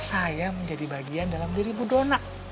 saya menjadi bagian dalam diri ibu donat